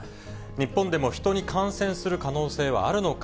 日本でもヒトに感染する可能性はあるのか。